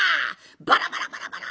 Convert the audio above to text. バラバラバラバラ！